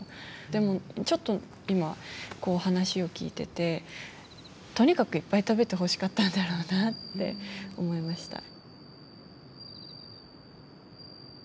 でもちょっと今こう話を聞いててとにかくいっぱい食べてほしかったんだろうなって思いました。